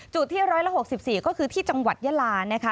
ที่๑๖๔ก็คือที่จังหวัดยาลานะคะ